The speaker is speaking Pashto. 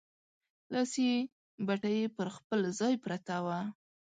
لاسي بتۍ پر خپل ځای پرته وه.